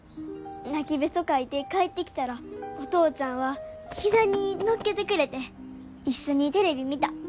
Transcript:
・泣きべそかいて帰ってきたらお父ちゃんは膝に乗っけてくれて一緒にテレビ見た。